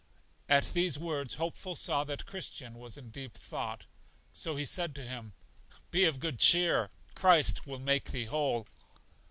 At these words Hopeful saw that Christian was in deep thought; so he said to him: Be of good cheer, Christ will make thee whole.